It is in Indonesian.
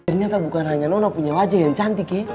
ternyata bukan hanya nono punya wajah yang cantik ya